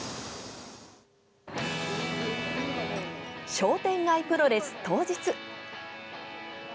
商店街プロレス当日。